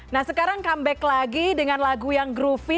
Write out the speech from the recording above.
nah sekarang comeback lagi dengan lagu yang groofi